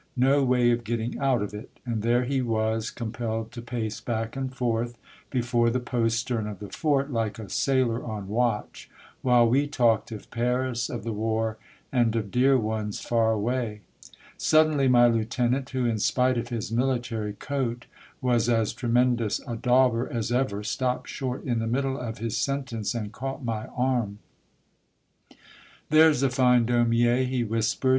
No way of getting out of it ! And there he was, compelled to pace back and forth, before the postern of the fort, like a sailor on watch, while we talked of Paris, of the war, and of dear ones far away. Suddenly my lieutenant, who, in spite of his military coat, was as tremendous a dauber as ever, stapped short in the middle of his sentence, and caught my arm. " There 's a fine Daumier !" he whispered.